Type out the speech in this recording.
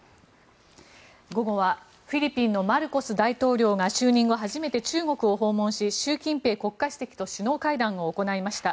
午後はフィリピンのマルコス大統領が就任後初めて中国を訪問し、習近平国家主席と首脳会談を行いました。